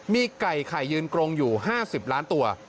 มีไก่ไข่ยืนกรงอยู่๕๐ล้านตัว